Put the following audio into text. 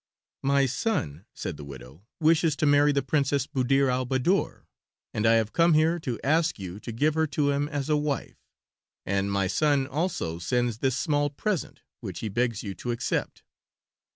"My son," said the widow, "wishes to marry the Princess Buddir al Baddoor, and I have come here to ask you to give her to him as a wife; and my son also sends this small present, which he begs you to accept."